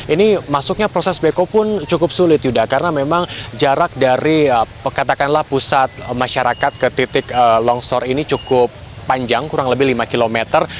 ini masuknya proses beko pun cukup sulit yuda karena memang jarak dari katakanlah pusat masyarakat ke titik longsor ini cukup panjang kurang lebih lima kilometer